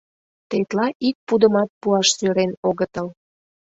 Тетла ик пудымат пуаш сӧрен огытыл...